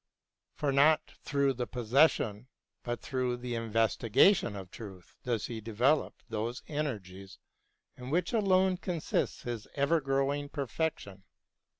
For not through the posses sion but through the investigation of truth does he develop those energies in which alone consists his ever growing perfection.